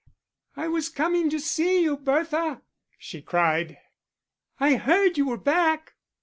"I was coming to see you, Bertha," she cried. "I heard you were back."